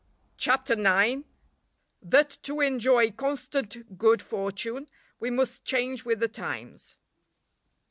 CHAPTER IX.—_That to enjoy constant good Fortune we must change with the Times.